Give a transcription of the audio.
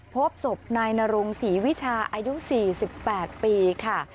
พบศพนายนรงศรีวิชาอายุ๔๘ปีค่ะ